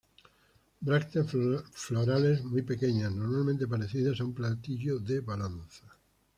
Brácteas florales muy pequeñas, normalmente parecidas a un platillo de balanza.